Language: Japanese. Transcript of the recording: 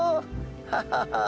「ハハハ」と。